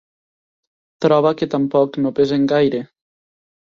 Troba que tampoc no pesen gaire.